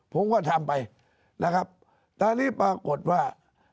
ผมก็ทำไปนะครับตอนนี้ปรากฏว่า